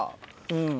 うん。